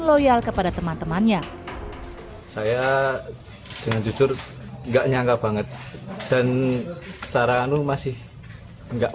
loyal kepada teman temannya saya dengan jujur enggak nyangka banget dan secara anu masih enggak